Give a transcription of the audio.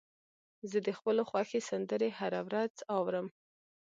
زه د خپلو خوښې سندرې هره ورځ اورم.